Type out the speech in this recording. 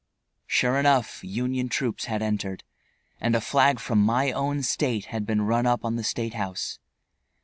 Sure enough, Union troops, had entered, and a flag from my own State had been run up on the State House.